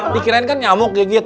tukirin kan nyamuknya gitu